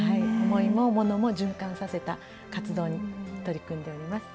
思いも物も循環させた活動に取り組んでおります。